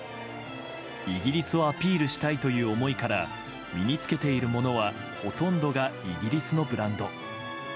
イギリスをアピールしたいという思いから、身に着けているものはほとんどがイギリスのブランド。